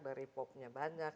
dari popnya banyak